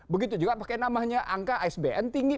begitu juga pake namanya angka asbn tinggi